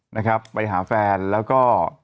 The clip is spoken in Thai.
นะครับไปหาแฟนแล้วก็